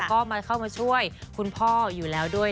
ก็เข้ามาช่วยคุณพ่ออยู่แล้วด้วย